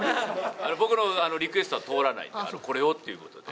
僕のリクエストは通らない、これをということで。